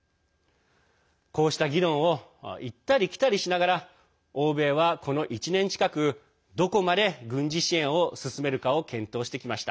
こうした議論を行ったり来たりしながら欧米は、この１年近くどこまで軍事支援を進めるかを検討してきました。